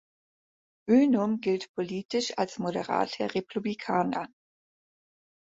Bynum gilt politisch als moderater Republikaner.